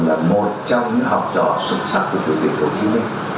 là một trong những học trò xuất sắc của chủ tịch hồ chí minh